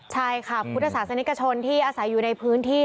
ใช่ค่ะพุทธศาสนิกชนที่อาศัยอยู่ในพื้นที่